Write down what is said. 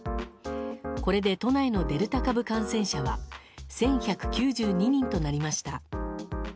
これで都内のデルタ株感染者は１１９２人となりました。